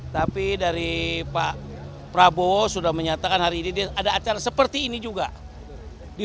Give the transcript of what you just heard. tapi dari pak prabowo sudah menyatakan hari ini ada acara seperti ini juga